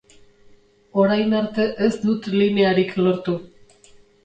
Orain arte ez dut linearik lortu.